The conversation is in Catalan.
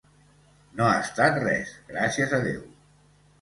No ha estat res, gràcies a Déu.